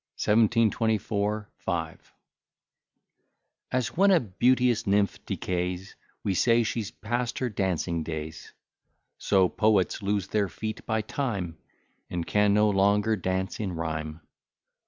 1724 5 As when a beauteous nymph decays, We say she's past her dancing days; So poets lose their feet by time, And can no longer dance in rhyme.